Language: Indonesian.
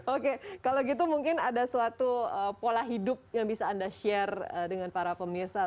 oke kalau gitu mungkin ada suatu pola hidup yang bisa anda share dengan para pemirsa